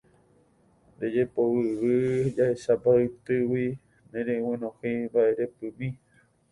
Rejepovyvy jahechápa ytýgui nereguenohẽi mba'erepymi.